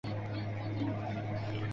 张伯淳人。